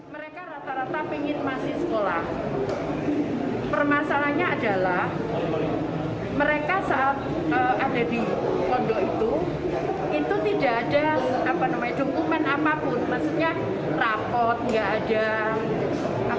mereka rata rata penghidmatan sekolah